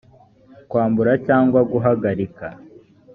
kwambura cyangwa guhagarika